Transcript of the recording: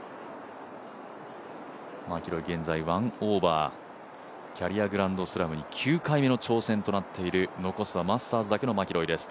マキロイ、現在１オーバーキャリアグランドスラムに９回目の挑戦となっている残すはマスターズだけのマキロイです。